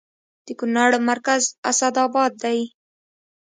د کونړ مرکز اسداباد دی